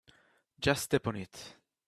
Just step on it.